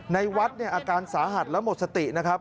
ในวัดเนี่ยอาการสาหัสและหมดสตินะครับ